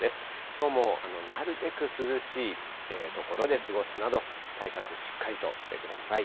きょうもなるべく涼しい所で過ごすなど、対策、しっかりとしてください。